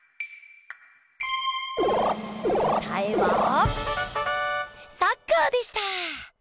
答えは「サッカー」でした！